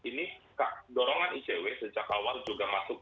ini dorongan icw sejak awal juga masuk